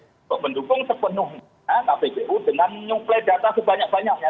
untuk mendukung sepenuhnya kppu dengan nyuplai data sebanyak banyaknya